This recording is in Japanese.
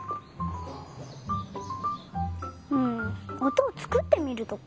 うんおとをつくってみるとか？